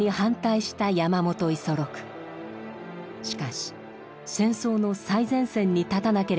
しかし戦争の最前線に立たなければなりませんでした。